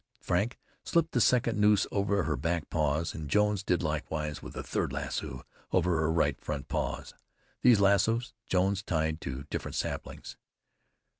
Frank slipped the second noose over her back paws, and Jones did likewise with a third lasso over her right front paw. These lassoes Jones tied to different saplings.